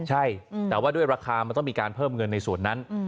ใช่แต่ว่าด้วยราคามันต้องมีการเพิ่มเงินในส่วนนั้น